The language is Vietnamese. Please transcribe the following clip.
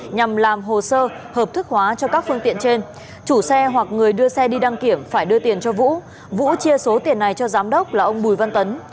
nhằm làm hồ sơ hợp thức hóa cho các phương tiện trên chủ xe hoặc người đưa xe đi đăng kiểm phải đưa tiền cho vũ vũ chia số tiền này cho giám đốc là ông bùi văn tấn